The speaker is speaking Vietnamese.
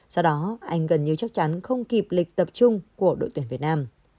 do đó anh gần như chắc chắn không kịp lịch tập trung của đội tuyển việt nam